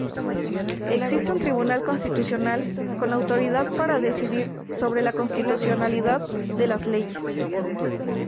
Existe un Tribunal Constitucional con autoridad para decidir sobre la constitucionalidad de las leyes.